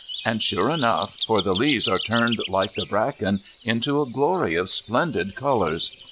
and sure enough, for the leaves are turned like the brackens into a glory of splendid colours.